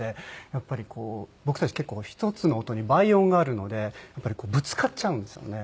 やっぱり僕たち結構１つの音に倍音があるのでぶつかっちゃうんですよね。